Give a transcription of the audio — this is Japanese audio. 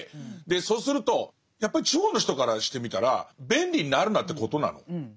でそうするとやっぱり地方の人からしてみたら便利になるなってことなの？っていう。